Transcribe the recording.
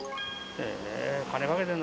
へえ。